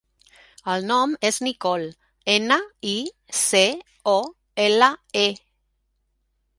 El nom és Nicole: ena, i, ce, o, ela, e.